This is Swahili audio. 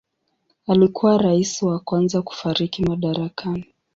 Alikuwa rais wa kwanza kufariki madarakani.